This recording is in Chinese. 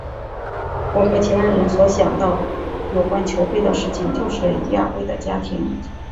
我和其他人所想到有关球会的事情就是亚维的家庭。